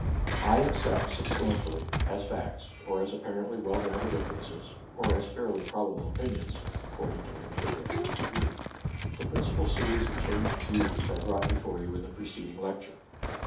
I accept substantially, as facts, or as appar ently well grounded inferences, or as fairly probable opinions, — according to their nature and degree, — the principal series of changed views which I brought before you in the pre ceding lecture.